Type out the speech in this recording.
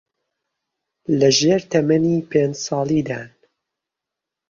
لەژێر تەمەنی پێنج ساڵیدان